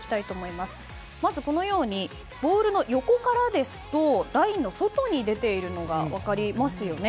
まず、このようにボールの横からですとラインの外に出ているのが分かりますよね。